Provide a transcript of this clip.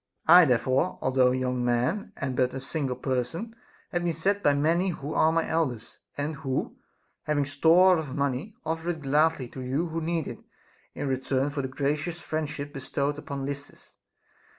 I there fore, although a young man and but one single person, have been sent by many who are my elders, and who, having store of money, offer it gladly to you who need it, in return for the gracious friendship bestowed upon Lysis.